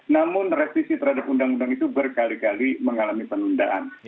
namun revisi terhadap undang undang itu berkali kali mengalami penundaan